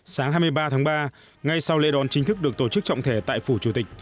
sáng hai mươi ba tháng ba ngay sau lễ đón chính thức được tổ chức trọng thể tại phủ chủ tịch